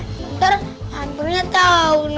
nanti hampirnya tahu